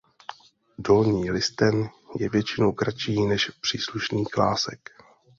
Dolní listen je většinou kratší než příslušný klásek.